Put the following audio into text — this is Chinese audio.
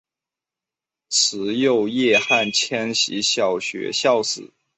慈幼叶汉千禧小学校史